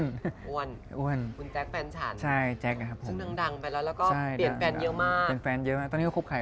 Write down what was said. น้องนักเดี๋ยวโผล่เดี๋ยวมาเดี๋ยวหาย